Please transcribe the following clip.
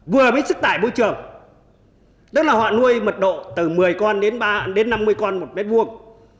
vừa mới sức tải môi trường tức là họ nuôi mật độ từ một mươi con đến năm mươi con một mét vuông